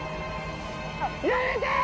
やめてー！